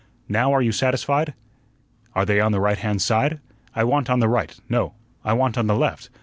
Now are you satisfied?" "Are they on the right hand side? I want on the right no, I want on the left.